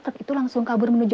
truk itu langsung kabur menuju